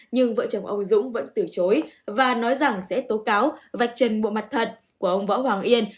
nhưng vợ chồng ông dũng vẫn từ chối và nói rằng sẽ tố cáo vạch chân bộ mặt thật của ông võ hoàng yên